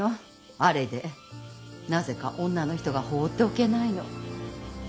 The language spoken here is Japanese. あれでなぜか女の人が放っておけないの。